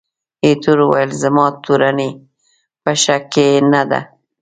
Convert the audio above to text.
ایټور وویل، زما تورني په شک کې نه ده.